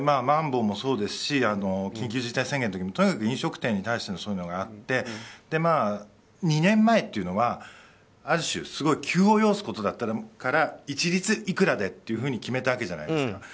まん防もそうですし緊急事態宣言の時もとにかく飲食店に対してそういうのがあってまあ、２年前っていうのはある種、すごく急を要すことだったから一律いくらでって決めたわけじゃないですか。